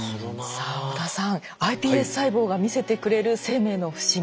さあ織田さんｉＰＳ細胞が見せてくれる生命の不思議